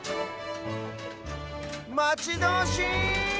まちどおしい！